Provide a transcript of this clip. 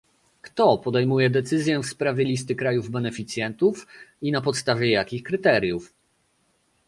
Kto podejmuje decyzję w sprawie listy krajów beneficjentów i na podstawie jakich kryteriów?